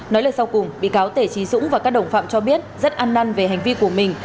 nói lời sau cùng bị cáo tể trí dũng và các đồng phạm cho biết rất ăn năn về hành vi của mình